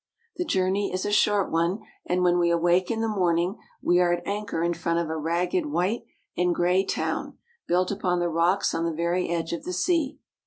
The journey is a short one, and when we awake in the morning, we are at anchor in front of a ragged white and gray town built upon the rocks on the very edge of the sea.